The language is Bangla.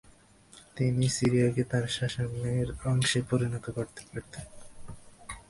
তিনি সিরিয়াকে তার শাসনের অংশে পরিণত করতে পারতেন।